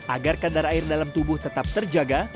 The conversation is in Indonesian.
agar kadar air dalam tubuh tetap terjaga